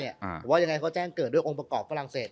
เนี้ยอ่าหรือว่ายังไงเขาแจ้งเกิดเรื่ององค์ประกอบฝรั่งเศส